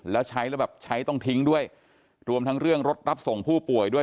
แล้วใช้แล้วแบบใช้ต้องทิ้งด้วยรวมทั้งเรื่องรถรับส่งผู้ป่วยด้วย